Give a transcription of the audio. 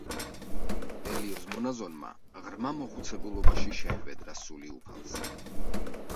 ელიოზ მონაზონმა ღრმა მოხუცებულობაში შეჰვედრა სული უფალს.